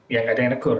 ya tidak ada yang regur